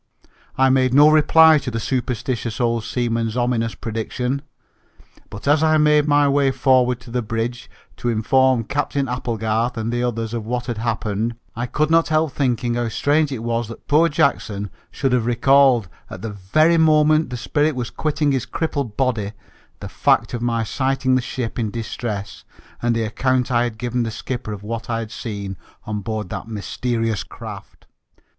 I made no reply to the superstitious old seaman's ominous prediction, but as I made my way forward to the bridge, to inform Captain Applegarth and the others of what had happened, I could not help thinking how strange it was that poor Jackson should have recalled, at the very moment the spirit was quitting his crippled body, the fact of my sighting the ship in distress, and the account I had given the skipper of what I had seen on board that mysterious craft!